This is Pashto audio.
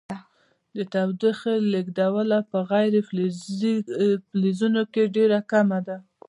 د تودوخې لیږدونه په غیر فلزونو کې ډیره کمه ده.